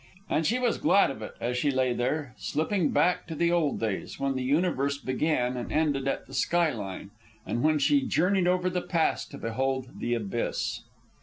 And she was glad of it, as she lay there, slipping back to the old days, when the universe began and ended at the sky line, and when she journeyed over the Pass to behold the Abyss.